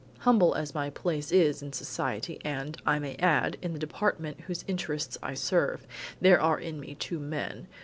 Humble as my place is in society and, I may add, in the Department whose interests I serve, there are in me two men.